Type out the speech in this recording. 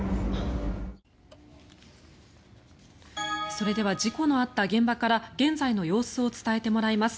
それでは事故のあった現場から現在の様子を伝えてもらいます。